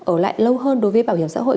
ở lại lâu hơn đối với bảo hiểm xã hội